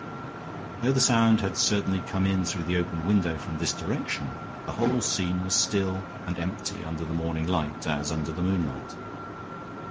Though the sound had certainly come in through the open window from this direction, the whole scene was still and empty under the morning light as under the moonlight.